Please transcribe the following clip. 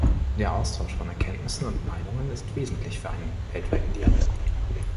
Der Austausch von Erkenntnissen und Meinungen ist wesentlich für einen weltweiten Dialog.